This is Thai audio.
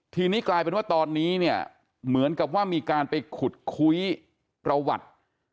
ทีนี้กลายเป็นว่าตอนนี้เนี่ยเหมือนกับว่ามีการไปขุดคุยประวัติ